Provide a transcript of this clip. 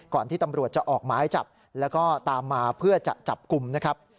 ที่ตำรวจจะออกหมายจับแล้วก็ตามมาเพื่อจะจับกลุ่มนะครับ